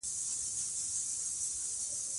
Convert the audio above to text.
قانون د شخړو پای ته رسوي